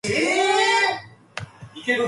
Budding produces more scyphistomae and also ephyrae.